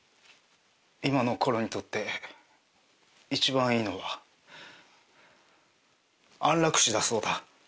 今のコロにとって一番いいのは安楽死だそうだ。